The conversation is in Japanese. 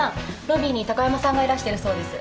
ロビーに高山さんがいらしてるそうです。